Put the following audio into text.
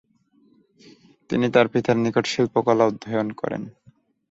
তিনি তার পিতার নিকট শিল্পকলা অধ্যয়ন করেন।